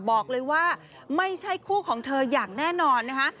บอกเลยว่าไม่ใช่คู่ของเธออย่างแน่นอนนะคะ